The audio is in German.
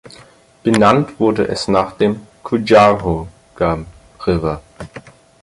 Benannt wurde es nach dem Cuyahoga River.